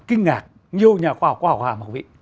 nghi ngạc nhiều nhà khoa học khoa học hòa học